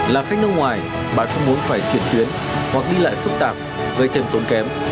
là khách nước ngoài bạn không muốn phải chuyển tuyến hoặc đi lại phức tạp gây thêm tốn kém